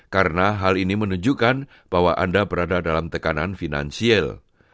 karena hal ini menunjukkan bahwa anda berada dalam tekanan finansial